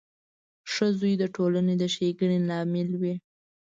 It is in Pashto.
• ښه زوی د ټولنې د ښېګڼې لامل وي.